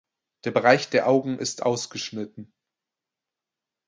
Der Bereich der Augen ist ausgeschnitten.